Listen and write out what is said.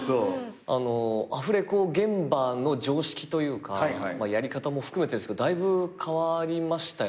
アフレコ現場の常識というかやり方も含めてですけどだいぶ変わりましたよね。